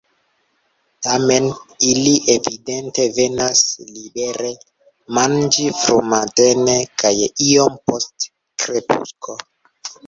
Tamen ili evidente venas libere manĝi frumatene kaj iom post krepusko.